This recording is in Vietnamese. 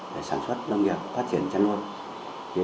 để sản xuất nông nghiệp phát triển chăn nuôi